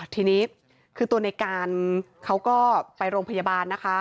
ทีนี้คือตัวในการเขาก็ไปโรงพยาบาลนะคะ